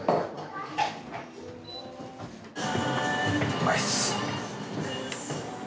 うまいっす。